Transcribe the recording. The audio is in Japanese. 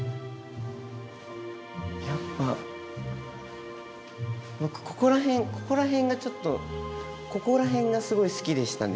やっぱ僕ここら辺ここら辺がちょっとここら辺がすごい好きでしたね。